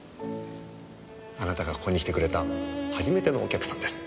あなたがここに来てくれた初めてのお客さんです。